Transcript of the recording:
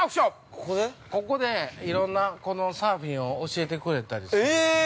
ここでいろんなサーフィンを教えてくれたりする。